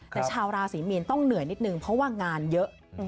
แต่ชาวราศรีมีนต้องเหนื่อยนิดนึงเพราะว่างานเยอะ